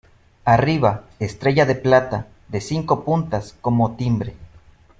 Arriba, estrella de plata, de cinco puntas, como timbre.